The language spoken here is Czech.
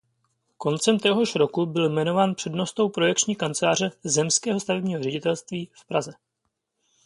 Koncem téhož roku byl jmenován přednostou projekční kanceláře Zemského stavebního ředitelství v Praze.